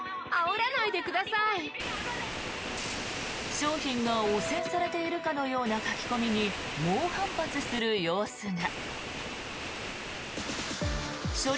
商品が汚染されているかのような書き込みに猛反発する様子が。